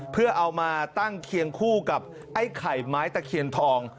เพื่อเอามาตั้งเคียงคู่กับไอ้ไข่ไม้ตะเคียนทอง